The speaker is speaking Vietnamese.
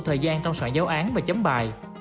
thời gian trong soạn giáo án và chấm bài